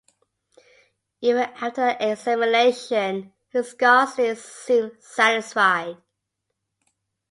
Even after that examination, he scarcely seemed satisfied.